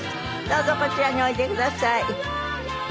どうぞこちらにおいでください。